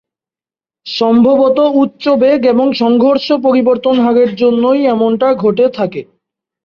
সম্ভবত উচ্চ বেগ এবং সংঘর্ষ পরিবর্তন হারের জন্যই এমনটা ঘটে থাকে।